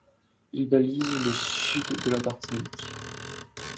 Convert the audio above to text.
Il balise le sud de la Martinique.